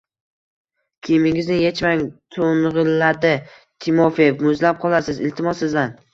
Kiyimingizni yechmang, – toʻngʻilladi Timofeev. – Muzlab qolasiz. Iltimos sizdan!